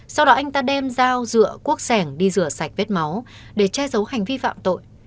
sau đó anh ta đem dao dựa cuốc sẻng đi rửa sạch vết máu để che giấu hành vi phạm tội